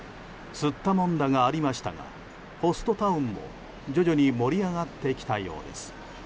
すったもんだがありましたがホストタウンも徐々に盛り上がってきたようです。